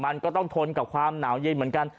มันก็ต้องทนกับความหนาวเย็นเหมือนกัน